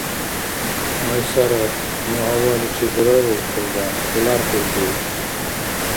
Майсарат, ну гьаваличи дурарулхъулра, хӀу ляркьулрив?